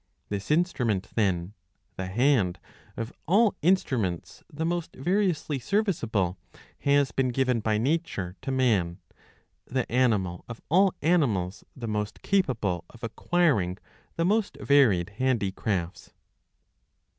This instrument, then, — the hand — of all instruments the most variously serviceable; has been given by nature to man, the animal of all animals the most capable of acquiring the most varied handicrafts.